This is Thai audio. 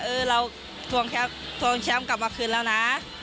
เออเราทวงแชมป์กลับมาคืนแล้วนะ